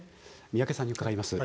宮家さんに伺います。